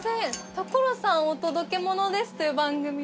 『所さんお届けモノです！』という番組で。